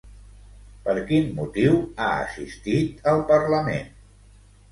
Per quin motiu ha assistit al Parlament?